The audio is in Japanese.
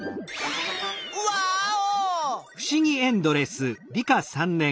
ワーオ！